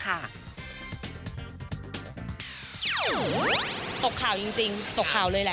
ตกข่าวจริงตกข่าวเลยแหละ